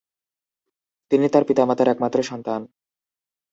তিনি তাঁর পিতা মাতার একমাত্র সন্তান।